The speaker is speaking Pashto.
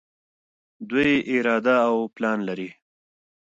دوی اراده او پلان لري.